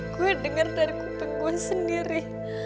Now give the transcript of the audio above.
gue denger dari gue sendiri